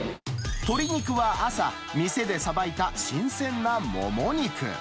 鶏肉は朝、店でさばいた新鮮なもも肉。